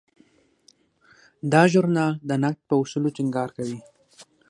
دا ژورنال د نقد په اصولو ټینګار کوي.